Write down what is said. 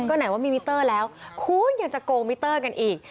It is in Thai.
ก็ไหนว่ามีมิเตอร์แล้วคุณยังจะโกงมิเตอร์กันอีก